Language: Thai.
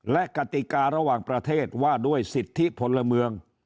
และกติการะหว่างประเทศว่าด้วยสิทธิพลเมือง